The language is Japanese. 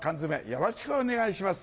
よろしくお願いします。